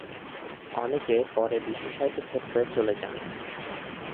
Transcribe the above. অনেকে পরে বিশেষায়িত ক্ষেত্রে চলে যান।